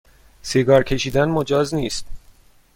سیگار کشیدن مجاز نیست